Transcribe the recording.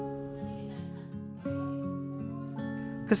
menyekolahkan akbar di sekolah khusus